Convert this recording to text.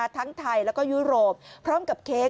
ทั้งไทยแล้วก็ยุโรปพร้อมกับเค้ก